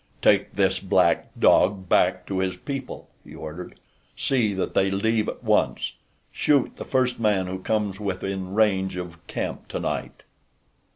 "Take this black dog back to his people," he ordered. "See that they leave at once. Shoot the first man who comes within range of camp tonight."